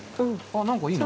何かいいな。